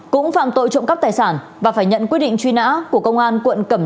cũng phạm tội trộm cắp tài sản và phải nhận quyết định truy nã của công an tp đà nẵng